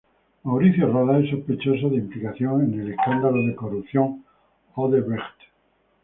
Mauricio Rodas es sospechoso de implicación en el escándalo de corrupción Odebrecht.